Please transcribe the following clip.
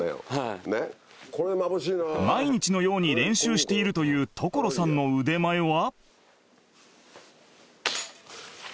毎日のように練習しているという所さんの腕前は？